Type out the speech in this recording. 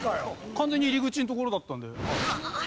完全に入り口のところだったので。